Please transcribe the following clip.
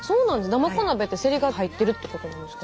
だまこ鍋ってせりが入ってるってことなんですか。